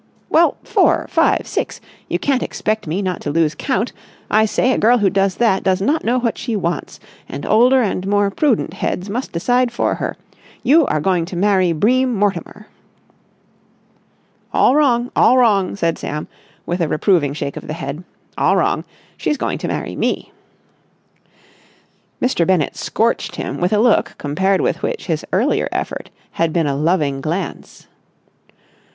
"Well, four—five—six—you can't expect me not to lose count.... I say a girl who does that does not know what she wants, and older and more prudent heads must decide for her. You are going to marry Bream Mortimer!" "All wrong! All wrong!" said Sam, with a reproving shake of the head. "All wrong! She's going to marry me." Mr. Bennett scorched him with a look compared with which his earlier effort had been a loving glance.